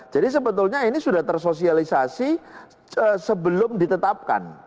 jadi sebetulnya ini sudah tersosialisasi sebelum ditetapkan